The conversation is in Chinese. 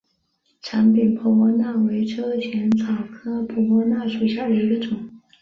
长柄婆婆纳为车前草科婆婆纳属下的一个种。